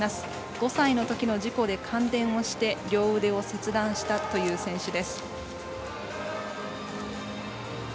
５歳のときの事故で、感電をして両腕を切断したという選手です。